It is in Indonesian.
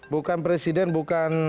bukan presiden bukan